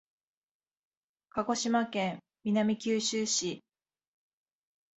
鹿児島県南九州市